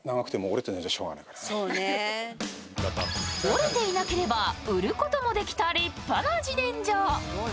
折れていなければ売ることもできた立派な自然薯。